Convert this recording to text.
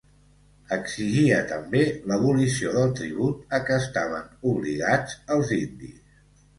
Exigia també l'abolició del tribut a què estaven obligats els indis.